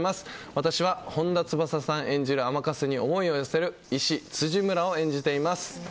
私は本田翼さん演じる甘春に思いを寄せる医師・辻村を演じています。